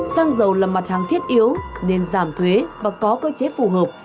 xăng dầu là mặt hàng thiết yếu nên giảm thuế và có cơ chế phù hợp